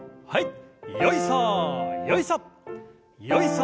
はい。